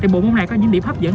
bộ môn này có những điểm hấp dẫn